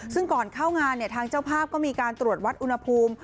ซึ่งก่อนเข้างานทางเจ้าภาพก็มีการตรวจวัดอุณหภูมิ